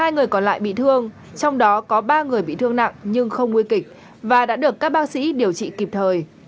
một mươi người còn lại bị thương trong đó có ba người bị thương nặng nhưng không nguy kịch và đã được các bác sĩ điều trị kịp thời